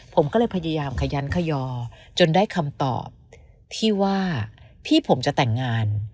ผมก็เลยพยายามขยันขยอจนได้คำตอบที่ว่าพี่ผมจะแต่งงาน